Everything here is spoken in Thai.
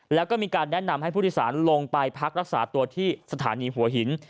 แล้วก็มีการแนะนำให้ผู้โดยสารลงไปพักรักษาตัวที่สถานีหัวหิน